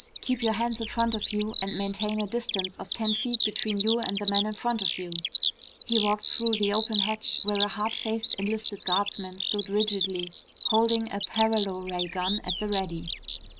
Keep your hands in front of you and maintain a distance of ten feet between you and the man in front of you." He walked through the open hatch where a hard faced enlisted guardsman stood rigidly, holding a paralo ray gun at the ready.